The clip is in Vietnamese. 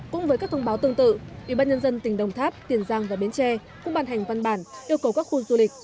cũng với các thông báo tương tự ủy ban nhân dân tỉnh đồng tháp tiền giang và bến tre cũng bàn hành văn bản yêu cầu các khu du lịch